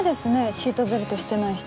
シートベルトしてない人。